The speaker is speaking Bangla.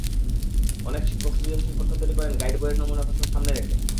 অনেক শিক্ষক সৃজনশীল প্রশ্ন তৈরি করেন গাইড বইয়ের নমুনা প্রশ্ন সামনে রেখে।